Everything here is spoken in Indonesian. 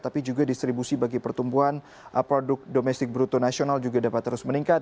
tapi juga distribusi bagi pertumbuhan produk domestik bruto nasional juga dapat terus meningkat